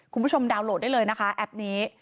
คุณผู้ชมดาวน์โหลดได้เลยนะคะแอปนี้